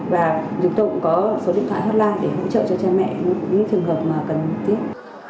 và chúng tôi cũng có số điện thoại hotline để hỗ trợ cho cha mẹ những thường hợp mà cần tiếp